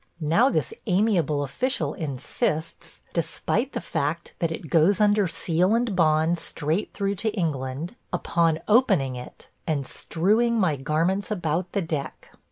Now this amiable official insists, despite the fact that it goes under seal and bond straight through to England, upon opening it and strewing my garments about the deck.